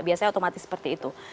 biasanya otomatis seperti itu